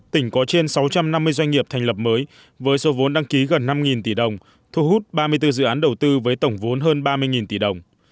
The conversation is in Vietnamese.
tỉnh có trên sáu trăm năm mươi doanh nghiệp thành lập mới với số vốn đăng ký gần năm tỷ đồng thu hút ba mươi bốn dự án đầu tư với tổng vốn hơn ba mươi tỷ đồng